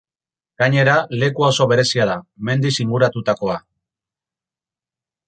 Gainera, lekua oso berezia da, mendiz inguratutakoa.